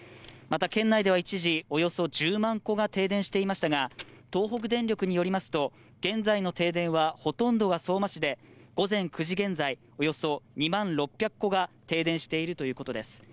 また、県内では一時およそ１０万戸が停電していましたが、東北電力によりますと、現在の停電はほとんどが相馬市で午前９時現在、およそ２万６００戸が停電しているということです。